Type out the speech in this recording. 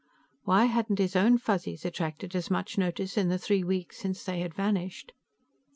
Why hadn't his own Fuzzies attracted as much notice in the three weeks since they had vanished?